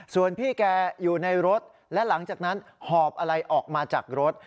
ส่วนพี่แกอยู่ในรถและหลังจากนั้นหอบอะไรออกมาจากรถ